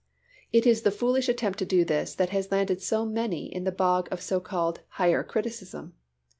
It is the foolish attempt to do this that has landed so many in the bog of so called "Higher Criticism."